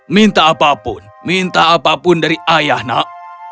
minta apapun minta apapun dari ayah nak